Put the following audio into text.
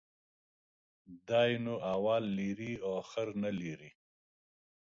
دى نو اول لري ، اخير نلري.